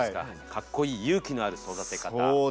「かっこいい勇気のある育てかた」。